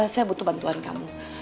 saya butuh bantuan kamu